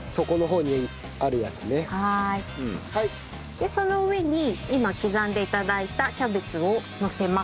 でその上に今刻んで頂いたキャベツをのせます。